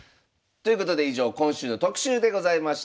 ということで以上今週の特集でございました。